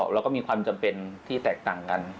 แล้วก็มีความจำเป็นที่แตกต่างกัน